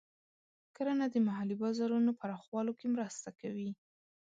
کرنه د محلي بازارونو پراخولو کې مرسته کوي.